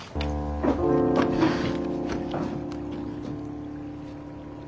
はあ。